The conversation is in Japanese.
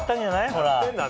ほら。